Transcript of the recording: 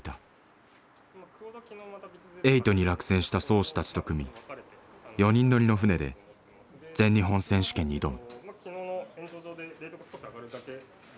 「エイト」に落選した漕手たちと組み４人乗りの船で全日本選手権に挑む。